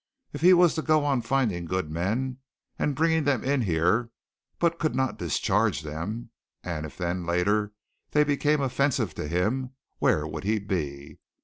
If he was to go on finding good men and bringing them in here but could not discharge them, and if then, later, they became offensive to him, where would he be?